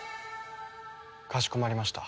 かしこまりました。